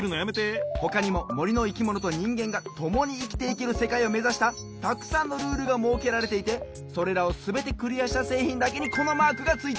ほかにももりのいきものとにんげんがともにいきていけるせかいをめざしたたくさんのルールがもうけられていてそれらをすべてクリアしたせいひんだけにこのマークがついています。